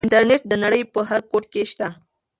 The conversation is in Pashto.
انټرنيټ د نړۍ په هر ګوټ کې شته.